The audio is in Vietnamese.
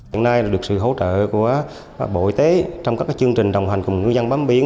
hiện nay được sự hỗ trợ của bộ y tế trong các chương trình đồng hành cùng ngư dân bám biển